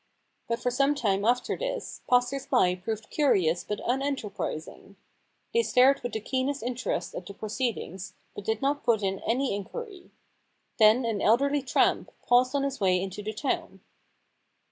But for some time after this passers by proved curious but unenterprising. They 152 The Impersonation Problem stared with the keenest interest at the pro ceedings, but did not put in any inquiry. Then an elderly tramp paused on his way into the town.